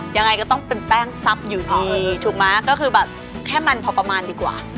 ยังไงก็ต้องเป็นแป้งซับอยู่ดีถูกไหมก็คือแบบแค่มันพอประมาณดีกว่า